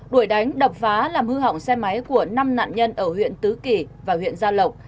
đuổi đánh đập phá làm hư hỏng xe máy của năm nạn nhân ở huyện tứ kỳ và huyện gia lộc